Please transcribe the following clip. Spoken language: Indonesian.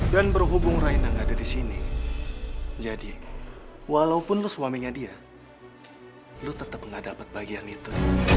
dan berhubung raina gak ada di sini jadi walaupun lo suaminya dia lo tetep gak dapat bagian itu